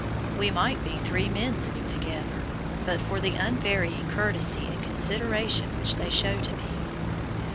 We might be three men living together, but for the unvarying courtesy and consideration which they show to me.